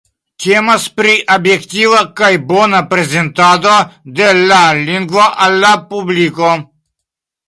Temas pri objektiva kaj bona prezentado de la lingvo al la publiko.